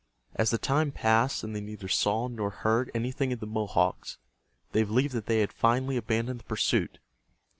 As the time passed, and they neither saw nor heard anything of the Mohawks, they believed that they had finally abandoned the pursuit.